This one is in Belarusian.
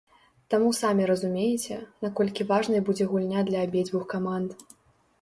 Таму самі разумееце, наколькі важнай будзе гульня для абедзвюх каманд.